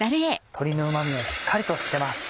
鶏のうま味をしっかりと吸ってます。